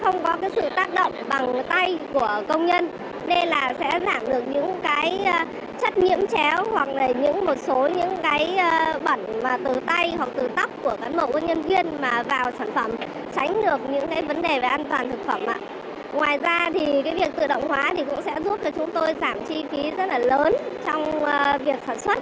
ngoài ra việc tự động hóa cũng giúp chúng tôi giảm chi phí rất lớn trong việc sản xuất